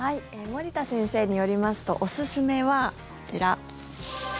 森田先生によりますとおすすめは、こちら。